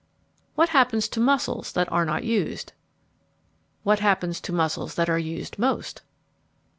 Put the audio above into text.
What happens to muscles that are not used? What happens to muscles that are used most?